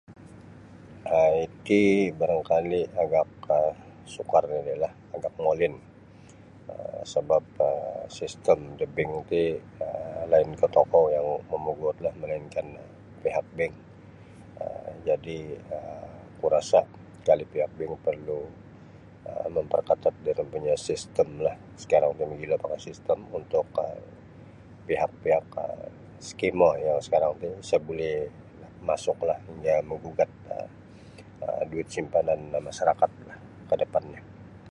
um iti barangkali agak sukar nini'lah agak molin sabap um sistem da bing ti um lainkah tokou yang mamaguutlah melainkan pihak bing um jadi' um kurasa' kali' pihak bing porlu' memperkatat da iro punya' sistem sakarang ti mogilo pakai sistem untuk pihak-pihak skimer yang sakarang ti sa buli masuklah manggugat duit simpanan masarakat no kadapannyo.